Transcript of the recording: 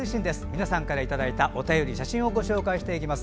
皆さんからいただいたお便り、写真ご紹介していきます。